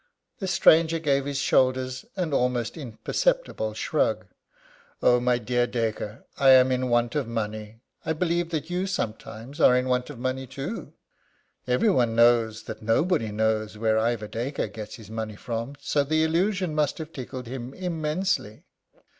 The stranger gave his shoulders that almost imperceptible shrug: "Oh, my dear Dacre, I am in want of money! I believe that you sometimes are in want of money, too." Everybody knows that nobody knows where Ivor Dacre gets his money from, so the illusion must have tickled him immensely.